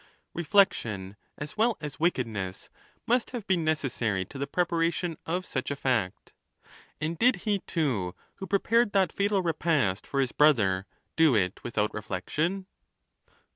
Reflection, as well as wickedness, must have been neces sary to the preparation of such a fact; and did he too, who prepared that fatal repast for his brother, do it without reflection